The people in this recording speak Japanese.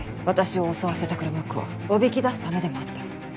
私を襲わせた黒幕をおびき出すためでもあった。